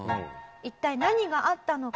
一体何があったのか？